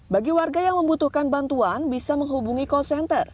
bagi warga yang membutuhkan bantuan bisa menghubungi call center